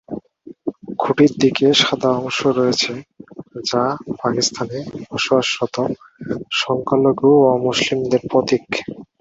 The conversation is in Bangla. খুঁটির দিকে সাদা অংশ রয়েছে, যা পাকিস্তানে বসবাসরত সংখ্যালঘু অমুসলিমদের প্রতীক।